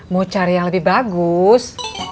mau cari yang lebih bagus